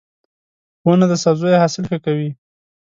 • ونه د سبزیو حاصل ښه کوي.